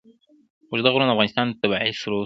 اوږده غرونه د افغانستان طبعي ثروت دی.